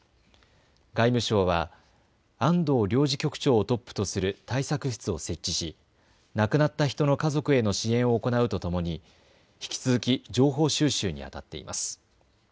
外務省は安藤領事局長をトップとする対策室を設置し亡くなった人の家族への支援を行うとともに引き続き情報収集にあたっています。